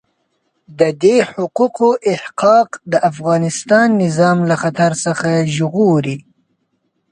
د دې حقوقو احقاق د افغانستان نظام له خطر څخه ژغوري.